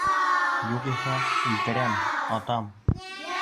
Юғиһә, үлтерәм, атам!